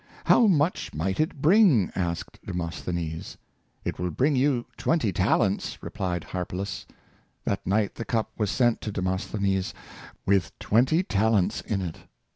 '' How much might it bring?" asked Demosthenes. *^ It will bring you twenty talents," replied Harpalus. That night the cup was sent to Demosthenes, with twenty talents in it.